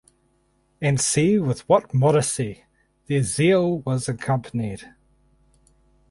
And see with what modesty their zeal was accompanied.